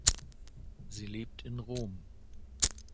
Sie lebt in Rom.